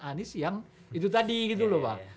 anies yang itu tadi gitu loh pak